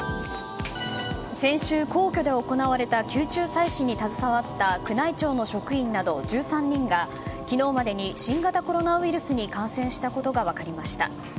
先週、皇居で行われた宮中祭祀に携わった宮内庁の職員など１３人が昨日までに新型コロナウイルスに感染したことが分かりました。